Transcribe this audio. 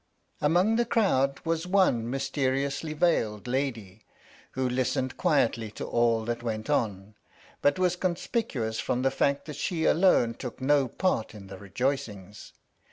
Among the crowd was one mysteriously veiled lady who listened quietly to all that went on, but was conspicuous from the fact that she alone took no part in the rejoicings.